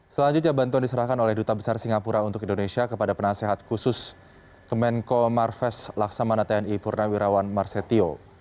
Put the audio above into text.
selanjutnya bantuan diserahkan oleh duta besar singapura untuk indonesia kepada penasehat khusus kemenko marves laksamana tni purnawirawan marsetio